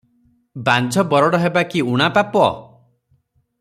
ବାଞ୍ଝ ବରଡ଼ ହେବା କି ଊଣା ପାପ?